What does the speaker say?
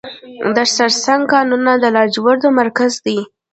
د سرسنګ کانونه د لاجوردو مرکز دی